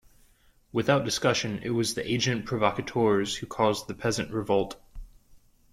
Without discussion, it was the agents provocateurs who caused the Peasant Revolt.